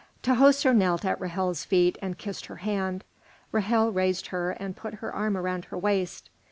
Tahoser knelt at Ra'hel's feet and kissed her hand. Ra'hel raised her and put her arm around her waist.